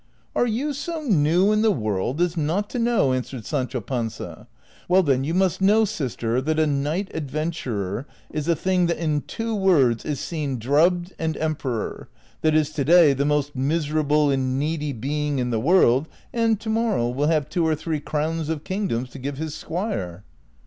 " Are you so new in the world as not to know ?" answered Sancho Panza. <^ Well, then, you must know, sister, that a knight adventurer is a thing that in two words is seen drubbed and emperor, that is to day the most miserable and needy being in the world, and to morrow will have two or three crowns of kingdoms to give his squire."